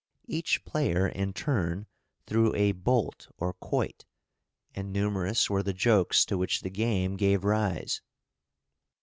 Each player in turn threw a bolt or quoit, and numerous were the jokes to which the game gave rise.